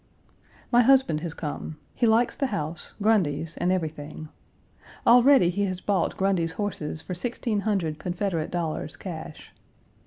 My husband has come; he likes the house, Grundy's, and everything. Already he has bought Grundy's horses for sixteen hundred Confederate dollars cash.